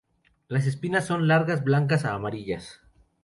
Las espinas son largas, blancas a amarillas.